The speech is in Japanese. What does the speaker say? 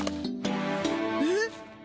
えっ？